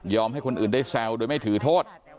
ให้คนอื่นได้แซวโดยไม่ถือโทษ